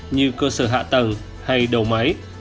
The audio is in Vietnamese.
như cơ sở hạ tầng hay đầu máy